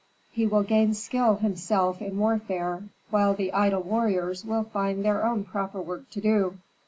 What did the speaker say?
He will gain skill himself in warfare, while the idle warriors will find their own proper work to do."